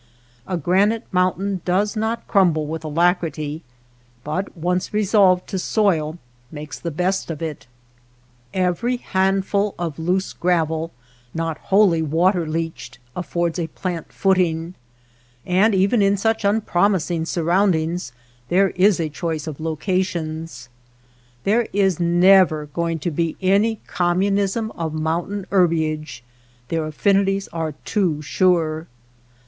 A granite mountain does not crumble with alacrity, but once resolved to soil makes the best of it. Every handful 208 WATER BORDERS of loose gravel not wholly water leached affords a plant footing, and even in such unpromising surroundings there is a choice of locations. There is never going to be any communism of mountain herbage, their affinities are too sure.